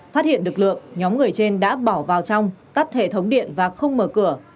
phát hiện lực lượng nhóm người trên đã bỏ vào trong tắt hệ thống điện và không mở cửa